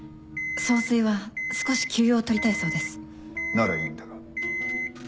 ならいいんだが。